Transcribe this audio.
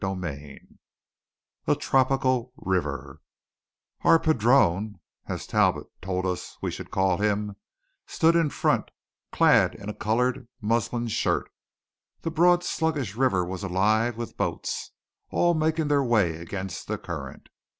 CHAPTER V A TROPICAL RIVER Our padrone, as Talbot told us we should call him, stood in front clad in a coloured muslin shirt. The broad sluggish river was alive with boats, all making their way against the current.